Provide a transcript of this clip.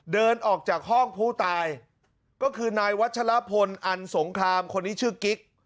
เดินออกจากห้องผู้ตายก็คือนายวัชลพลอันสงครามคนนี้ชื่อกิ๊ก